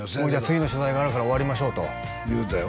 次の取材があるから終わりましょうと言うたよ